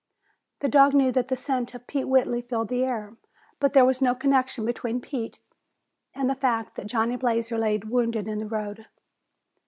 The dog knew that the scent of Pete Whitney filled the air, but there was no connection between Pete and the fact that Johnny Blazer lay wounded in the road.